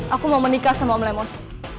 aku mau menikah sama lemos